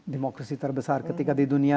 demokrasi terbesar ketika di dunia